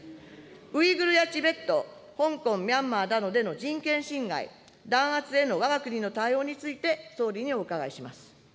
ウイグルやチベット、香港、ミャンマーなどでの人権侵害、弾圧へのわが国の対応について総理にお伺いします。